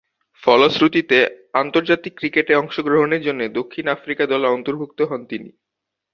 ফলশ্রুতিতে আন্তর্জাতিক ক্রিকেটে অংশগ্রহণের জন্যে দক্ষিণ আফ্রিকা দলে অন্তর্ভুক্ত হন তিনি।